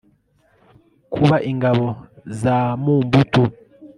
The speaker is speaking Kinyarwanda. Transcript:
kuba ingabo za mumbutu